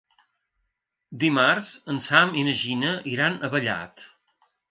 Dimarts en Sam i na Gina iran a Vallat.